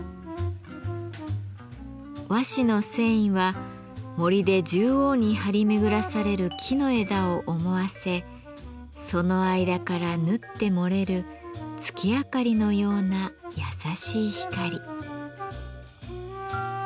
和紙の繊維は森で縦横に張り巡らされる木の枝を思わせその間から縫って漏れる月明かりのような優しい光。